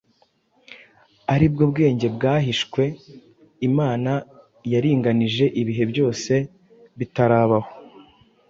ari bwo bwenge bwahishwe, Imana yaringanije ibihe byose bitarabaho,